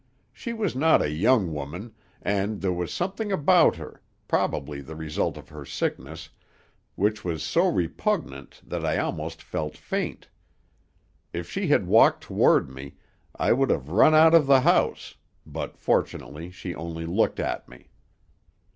She was not a young woman, and there was something about her probably the result of her sickness which was so repugnant that I almost felt faint. If she had walked toward me, I would have run out of the house, but fortunately she only looked at me.